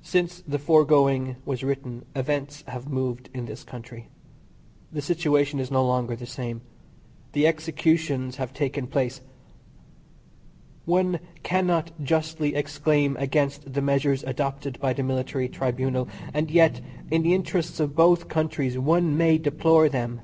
Since the foregoing was written events have moved in this country. The situation is no longer the same. The executions have taken place. One cannot justly exclaim against the measures adopted by the military tribunal, and yet, in the interests of both countries one may deplore them.